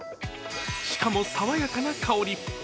しかも、爽やかな香り。